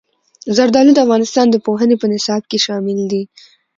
زردالو د افغانستان د پوهنې په نصاب کې شامل دي.